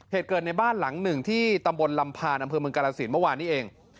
เหตุเกิดในบ้านหลังหนึ่งที่ตำบลลำพานอำเภอเมืองกาลสินเมื่อวานนี้เอง